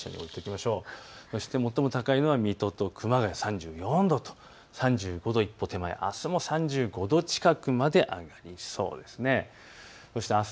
そして最も高いのは水戸と熊谷、３４度と３５度一歩手前、あすも３５度近くまでなりそうです。